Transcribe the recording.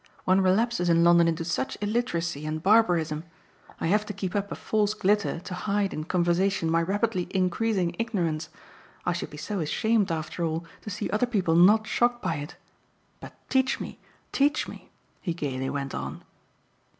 One relapses in London into such illiteracy and barbarism. I have to keep up a false glitter to hide in conversation my rapidly increasing ignorance: I should be so ashamed after all to see other people NOT shocked by it. But teach me, teach me!" he gaily went on.